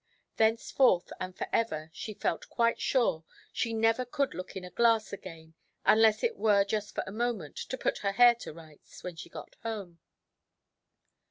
Thenceforth and for ever, she felt quite sure, she never could look in a glass again, unless it were just for a moment, to put her hair to rights, when she got home.